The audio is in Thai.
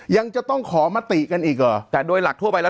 ยังจะต้องขอมติกันอีกเหรอแต่โดยหลักทั่วไปแล้ว